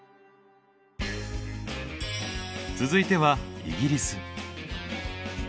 続いてはイギリス。